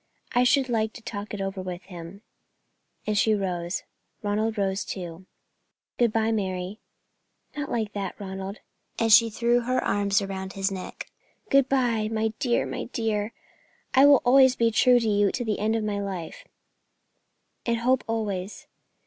"I should like to talk it over with him," and she rose. Ronald rose too. "Good bye, Mary." "Not like that, Ronald," and she threw her arms round his neck. "Good bye, my dear, my dear. I will always be true to you to the end of my life. And hope always.